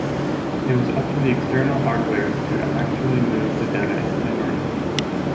It was up to the external hardware to actually move the data into memory.